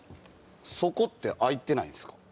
そこって空いてないんすか？